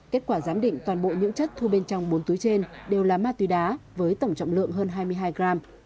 kết quả giám định toàn bộ những chất thu bên trong bốn túi trên đều là ma túy đá với tổng trọng lượng hơn hai mươi hai gram